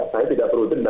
saya tidak prudent